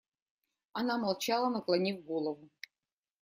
Она молчала, наклонив голову.